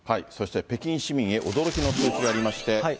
そして北京市民へ驚きの通知がありまして。